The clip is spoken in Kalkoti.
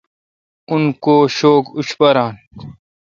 اون کو شوک اوشپاران